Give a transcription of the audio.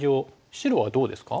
白はどうですか？